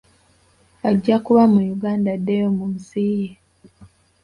Ajja kuba mu Uganda addeyo mu nsi ye.